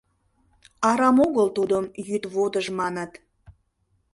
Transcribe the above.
Арам огыл тудым Йӱд водыж маныт.